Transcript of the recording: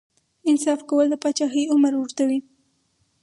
انصاف کول د پاچاهۍ عمر اوږدوي.